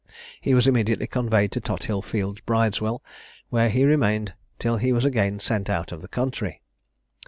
He was immediately conveyed to Tothill fields Bridewell, where he remained till he was again sent out of the country.